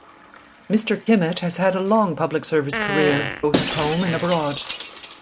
Mr. Kimmitt has had a long public service career, both at home and abroad.